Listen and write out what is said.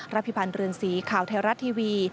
พิพันธ์เรือนสีข่าวไทยรัฐทีวี